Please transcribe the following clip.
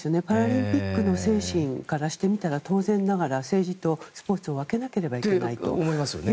パラリンピックの精神からしてみたら、当然ながら政治とスポーツを分けなければいけないと。